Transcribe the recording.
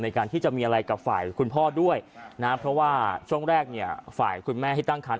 การที่จะมีอะไรกับฝ่ายคุณพ่อด้วยนะเพราะว่าช่วงแรกเนี่ยฝ่ายคุณแม่ที่ตั้งคัน